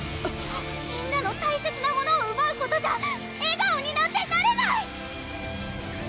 みんなの大切なものをうばうことじゃ笑顔になんてなれない！